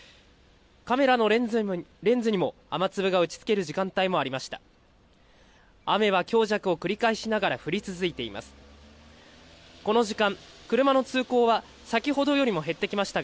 カメラのレンズにも雨粒が打ちつける時間帯もありました。